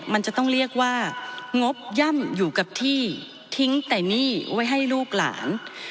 มันจะต้องเรียกว่างบย่ำอยู่กับที่ทิ้งแต่หนี้ไว้ให้ลูกหลาน